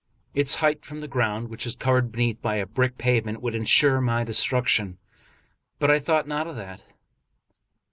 Its height from the ground, which was covered beneath by a brick pavement, would insure my destruction; but I thought not of that.